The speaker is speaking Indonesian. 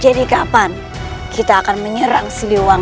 jadi kapan kita akan menyerang siliwangi